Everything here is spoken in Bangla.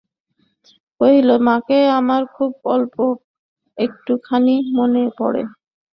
কহিল, মাকে আমার খুব অল্প একটুখানি মনে পড়ে।